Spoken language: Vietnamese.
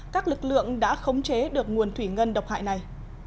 các lực lượng đã khống chế được nguồn thủy ngân độc hại này